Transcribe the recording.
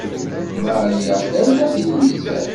Maria terna deg lmizan.